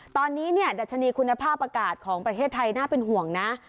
ตอนนี้เนี่ยดัชนีคุณภาพอากาศของประเทศไทยน่าเป็นห่วงนะ